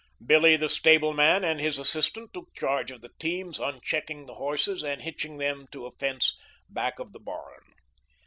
Billy, the stableman, and his assistant took charge of the teams, unchecking the horses and hitching them to a fence back of the barn.